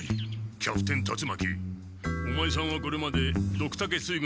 キャプテン達魔鬼オマエさんはこれまでドクタケ水軍